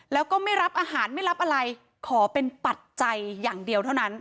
แล้วก็ไม่รับอาหารไม่รับอะไรขอเป็นปัจจัยอย่างเดียวเท่านั้น